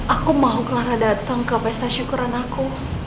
aku mau clara datang ke pesta syukuran aku